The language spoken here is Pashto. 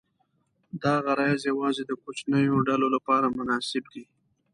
دا غرایز یواځې د کوچنیو ډلو لپاره مناسب دي.